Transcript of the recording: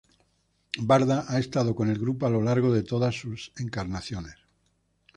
Barda ha estado con el grupo a lo largo de todas sus encarnaciones.